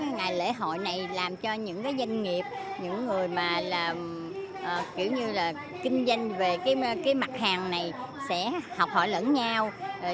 ngày lễ hội này làm cho những doanh nghiệp những người kinh doanh về mặt hàng này sẽ học hỏi lẫn nhau